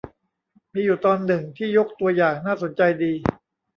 มีอยู่ตอนหนึ่งที่ยกตัวอย่างน่าสนใจดี